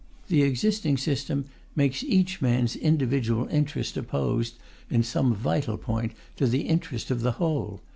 The existing system makes each man's individual interest opposed, in some vital point, to the interest of the whole.